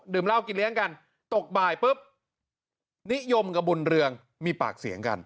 เหล้ากินเลี้ยงกันตกบ่ายปุ๊บนิยมกับบุญเรืองมีปากเสียงกัน